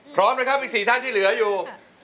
พร้อมนะครับอีก๔ท่านที่เหลืออยู่